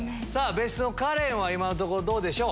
別室のカレンは今のところどうでしょう？